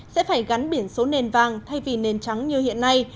sẽ phải gắn biển số nền vàng thay vì nền trắng như hiện nay